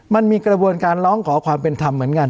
มันมีกระบวนการร้องขอความเป็นธรรมเหมือนกัน